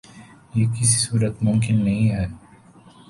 یہ کسی صورت ممکن نہیں ہے